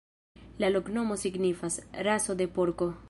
La loknomo signifas: raso de porko.